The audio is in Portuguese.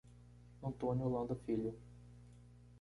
Antônio Holanda Filho